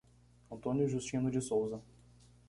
Antônio Justino de Souza